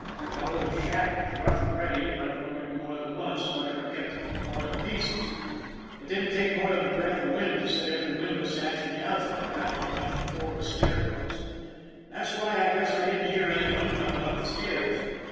That old shack was rough and ready, and I've wondered more than once what ever kept it from falling to pieces. It didn't take more than a breath of wind to set every window sash in the outfit rattling like a corps of snare drums. That's why, I guess, I didn't hear any one coming up the stairs.